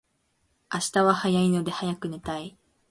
明日は早いので早く寝たい